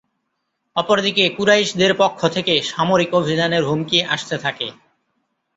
অপরদিকে কুরাইশদের পক্ষ থেকে সামরিক অভিযানের হুমকি আসতে থাকে।